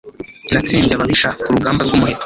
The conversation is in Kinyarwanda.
Natsembye ababisha ku rugamba rw'umuheto.